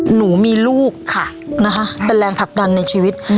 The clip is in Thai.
หนูมีลูกค่ะนะคะเป็นแรงผลักดันในชีวิต